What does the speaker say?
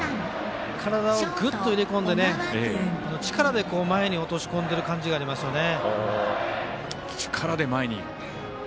体をぐっと入れ込んで、力で前に落とし込んでる感じがありますね。